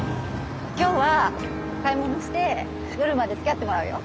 今日は買い物して夜までつきあってもらうよ。